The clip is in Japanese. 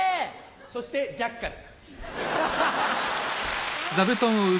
そしてジャッカル。